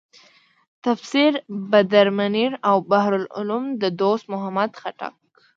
تفسیر بدرمنیر او بحر العلوم د دوست محمد خټک.